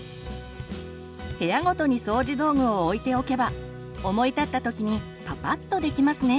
部屋ごとに掃除道具を置いておけば思い立ったときにパパッとできますね。